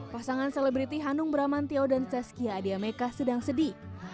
pasangan selebriti hanung bramantio dan sezkia adiameka sedang sedih